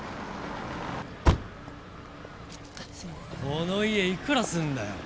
この家いくらするんだよ。